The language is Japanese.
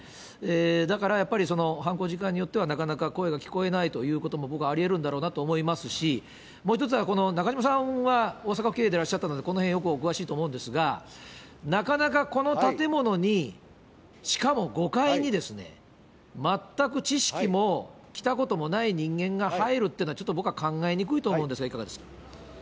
だからやっぱり犯行時間によっては、なかなか声が聞こえないということも僕はありえるんだろうなと思いますし、もう一つは、中島さんは大阪府警でいらっしゃったので、この辺よくお詳しいと思うんですが、なかなかこの建物に、しかも５階に、全く知識も来たこともない人間が入るっていうのは、ちょっと僕は考えにくいと思うんですが、いかがですか。